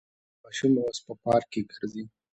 ماشومه اوس په پارک کې ګرځي.